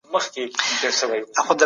موږ ته خپل وړاندیزونه ولیکئ.